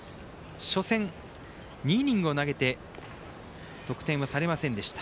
初戦、２イニングを投げて得点はされませんでした。